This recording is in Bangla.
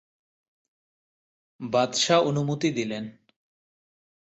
বাদশাহ অনুমতি দিলেন।